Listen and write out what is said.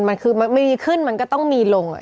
มันคือมันมีขึ้นมันก็ต้องมีลง